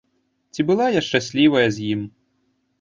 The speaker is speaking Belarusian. Ці была я шчаслівая з ім?